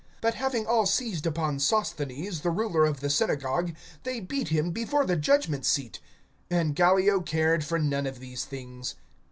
(17)But having all seized upon Sosthenes, the ruler of the synagogue, they beat him before the judgment seat. And Gallio cared for none of these things.